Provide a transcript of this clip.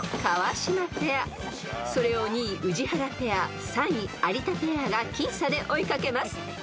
［それを２位宇治原ペア３位有田ペアが僅差で追い掛けます］